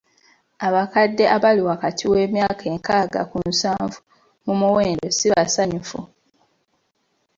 Abakadde abali wakati w'emyaka enkaaga ku nsanvu mu mwenda si basanyufu.